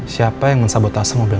siapa yang mensabotase mobil